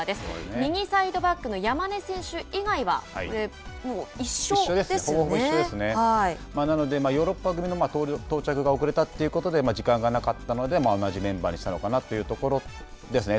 右サイドバックの山根選手以外はなので、ヨーロッパ組の到着が遅れたということで時間がなかったので同じメンバーにしたのかなというところですね。